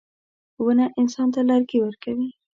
• ونه انسان ته لرګي ورکوي.